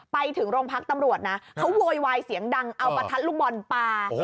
ไปถึงโรงพักตำรวจนะเขาโวยวายเสียงดังเอาประทัดลูกบอลปลา